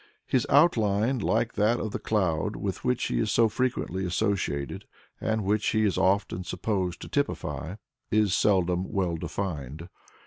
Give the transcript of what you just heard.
His outline, like that of the cloud with which he is so frequently associated, and which he is often supposed to typify, is seldom well defined.